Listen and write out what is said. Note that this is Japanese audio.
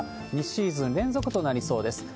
２シーズン連続となりそうです。